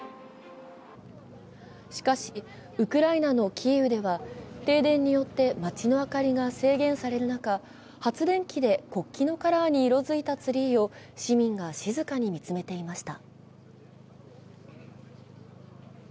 しかし、ウクライナのキーウでは停電によって街の明かりが制限される中、発電機で国旗のカラーに色づいたツリーを市民が静かに見つめていました。